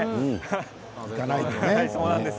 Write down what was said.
行かないとね。